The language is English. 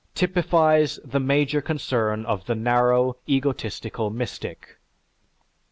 typifies the major concern of the narrow, egotistical mystic.